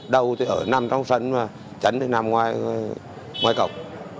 đầu thì ở nằm trong sân chấn thì nằm ngoài cổng